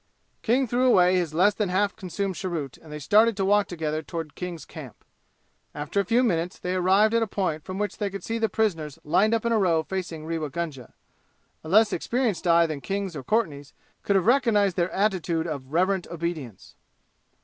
King threw away his less than half consumed cheroot and they started to walk together toward King's camp. After a few minutes they arrived at a point from which they could see the prisoners lined up in a row facing Rewa Gunga. A less experienced eye than King's or Courtenay's could have recognized their attitude of reverent obedience.